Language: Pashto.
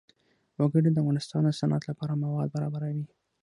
وګړي د افغانستان د صنعت لپاره مواد برابروي.